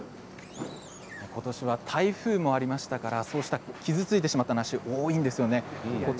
今年は台風もありましたから傷ついてしまった梨が多いんですよね。